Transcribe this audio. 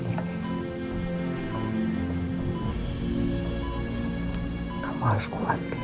sampai akhirnya kamu mendapatkan musibah seperti ini